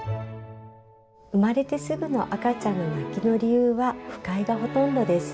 生まれてすぐの赤ちゃんの泣きの理由は不快がほとんでです。